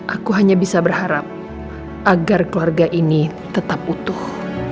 aku hanya bisa berharap agar keluarga ini tetap utuh